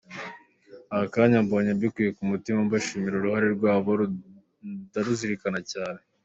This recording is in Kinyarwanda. Aka kanya mbonye , mbikuye ku mutima ndabashimira ,uruhare rwabo ndaruzirikana cyane.